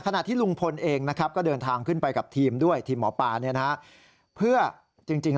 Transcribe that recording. ที่ลุงพลเองนะครับก็เดินทางขึ้นไปกับทีมด้วยทีมหมอปลาเพื่อจริง